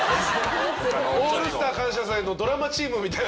『オールスター感謝祭』のドラマチームみたい。